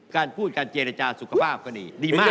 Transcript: การพูดการเจรจาสุขภาพก็ดีดีมาก